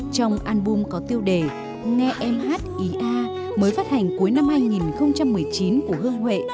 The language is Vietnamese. trong album có tiêu đề nghe em hát ý a mới phát hành cuối năm hai nghìn một mươi chín của hương huệ